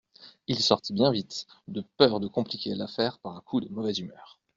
Il sortit bien vite, de peur de compliquer l'affaire par un coup de mauvaise humeur.